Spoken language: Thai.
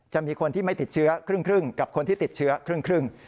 จะมีคนที่ไม่ติดเชื้อครึ่งกับคนที่ติดเชื้อครึ่ง